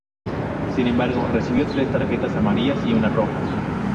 Sin embargo, recibió tres tarjetas amarillas y una roja.